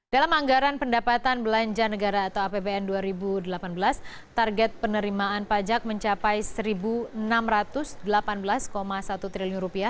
dalam anggaran pendapatan belanja negara atau apbn dua ribu delapan belas target penerimaan pajak mencapai rp satu enam ratus delapan belas satu triliun